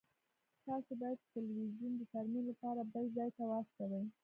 تاسو باید تلویزیون د ترمیم لپاره بل ځای ته واستوئ